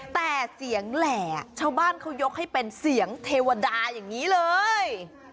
แต่เสียงแหล่ชาวบ้านเขายกให้เป็นเสียงเทวดาอย่างนี้เลย